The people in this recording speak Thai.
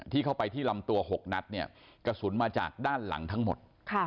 เข้าไปที่ลำตัว๖นัดเนี่ยกระสุนมาจากด้านหลังทั้งหมด